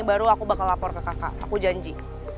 baru aku bakal lapor ke kakak aku janji